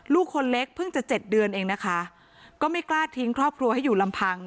ลูกคนเล็กเพิ่งจะเจ็ดเดือนเองนะคะก็ไม่กล้าทิ้งครอบครัวให้อยู่ลำพัง